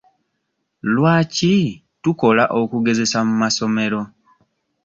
Lwaki tukola okugezesa mu masomero?